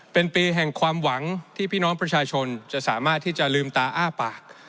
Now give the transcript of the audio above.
เป็นปีแห่งความหวังที่พี่น้องประชาชนจะสามารถที่จะลืมตาอ้าปาก